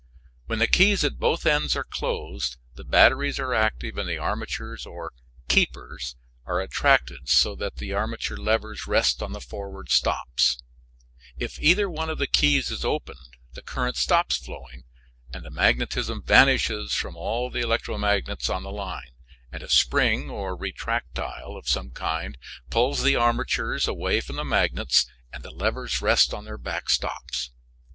When the keys at both ends are closed the batteries are active and the armatures or "keepers" are attracted so that the armature levers rest on the forward stops. (See diagram Fig. 2.) If either one of the keys is opened the current stops flowing and the magnetism vanishes from all the electromagnets on the line, and a spring or retractile of some kind pulls the armatures away from the magnets and the levers rest on their back stops.